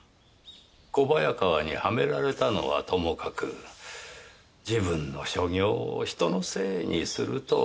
小早川にはめられたのはともかく自分の所業を人のせいにするとは。